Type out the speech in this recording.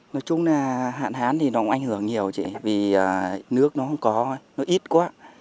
nói chung là hạn hán thì nó cũng ảnh hưởng nhiều chị vì nước nó không có nó ít quá